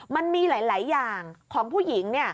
มันมีหลายอย่างของผู้หญิง